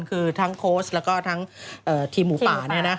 คือทั้งโคสต์แล้วก็ทีมหูป่า